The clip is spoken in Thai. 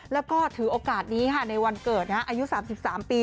แล้วก็ถือโอกาสนี้ค่ะในวันเกิดอายุ๓๓ปี